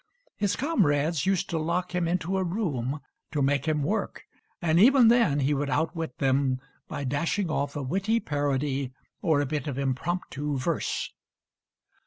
His comrades used to lock him into a room to make him work, and even then he would outwit them by dashing off a witty parody or a bit of impromptu verse.